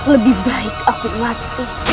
lebih baik aku mati